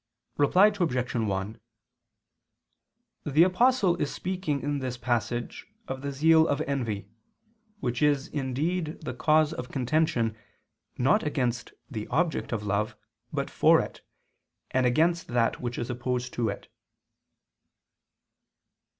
Reply Obj. 1: The Apostle is speaking in this passage of the zeal of envy; which is indeed the cause of contention, not against the object of love, but for it, and against that which is opposed to it.